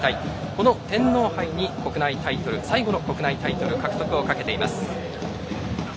この天皇杯に最後の国内タイトル獲得にかけています。